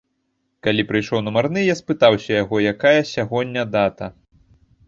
Калі прыйшоў нумарны, я спытаўся ў яго, якая сягоння дата?